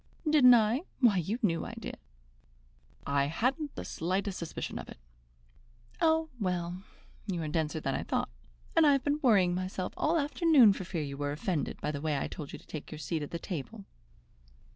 "Didn't I? Why, you knew I did." "I hadn't the slightest suspicion of it." "Oh, well, you are denser than I thought. And I have been worrying myself all the afternoon for fear you were offended by the way I told you to take your seat at the table."